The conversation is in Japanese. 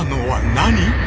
何？